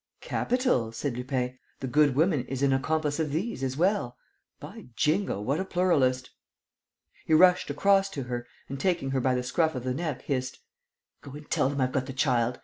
"Capital!" said Lupin. "The good woman is an accomplice of these as well. By Jingo, what a pluralist!" He rushed across to her and, taking her by the scruff of the neck, hissed: "Go and tell them I've got the child....